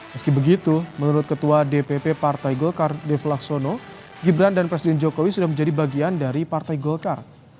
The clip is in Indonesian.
meski begitu menurut ketua dpp partai golkar dev laksono gibran dan presiden jokowi sudah menjadi bagian dari partai golkar